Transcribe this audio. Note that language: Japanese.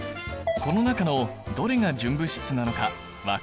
この中のどれが純物質なのか分かるかな？